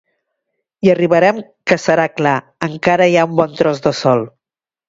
Hi arribarem que serà clar: encara hi ha un bon tros de sol.